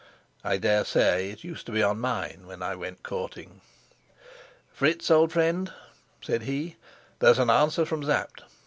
I dare say it used to be on mine when I went courting. "Fritz, old friend," said he, "there's an answer from Sapt.